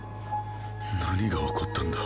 何が起こったんだ。